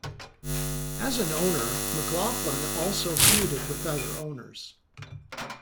As an owner, McLaughlin also feuded with other owners.